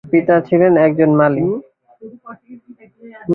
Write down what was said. তার পিতা ছিলেন একজন মালি।